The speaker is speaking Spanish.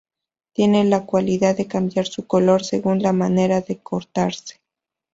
Tiene la cualidad de cambiar su color según la manera de cortarse.